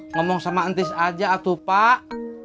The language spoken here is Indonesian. ngomong sama ntis aja atuh pak